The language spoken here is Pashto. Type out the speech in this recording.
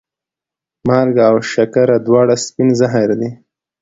مالګه او شکره دواړه سپین زهر دي.